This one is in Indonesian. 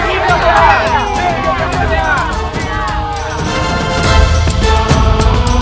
kemana yunda rasantang